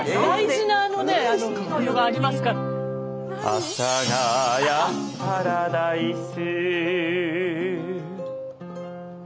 「阿佐ヶ谷パラダイス」